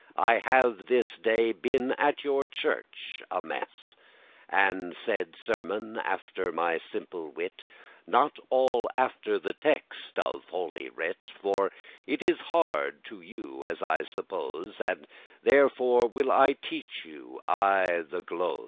I have this day been at your church at mess,* *mass And said sermon after my simple wit, Not all after the text of Holy Writ; For it is hard to you, as I suppose, And therefore will I teach you aye the glose.